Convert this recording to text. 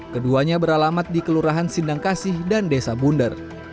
keduanya beralamat di kelurahan sindangkasih dan desa bundar